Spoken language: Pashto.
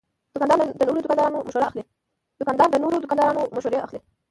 دوکاندار د نورو دوکاندارانو مشوره اخلي.